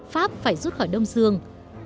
pháp phải rút khỏi đông dương